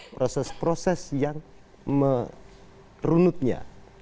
proses proses yang merunutnya